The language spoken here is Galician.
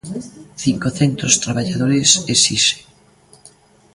Cincocentos traballadores esixen...